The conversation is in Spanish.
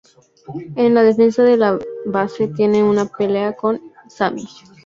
En la defensa de la base tiene una pelea con Cammy.